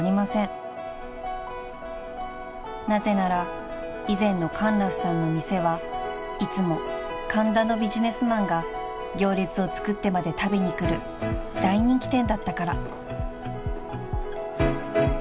［なぜなら以前のカンラスさんの店はいつも神田のビジネスマンが行列をつくってまで食べに来る大人気店だったから］